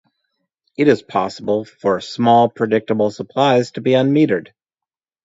It is possible for small predictable supplies to be unmetered.